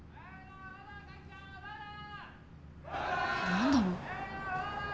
・何だろう。